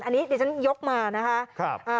อันนี้เดี๋ยวฉันยกมานะคะ